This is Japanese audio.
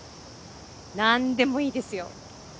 何でもいいですよ。